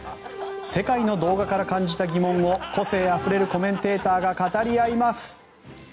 世界の動画から感じた疑問を個性あふれるコメンテーターが語り合います。